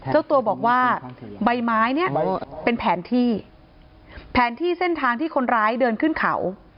เจ้าตัวบอกว่าใบไม้เนี่ยเป็นแผนที่แผนที่เส้นทางที่คนร้ายเดินขึ้นเขา